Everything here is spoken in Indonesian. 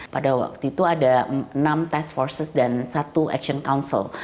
pada waktu itu ada enam task forces dan satu action council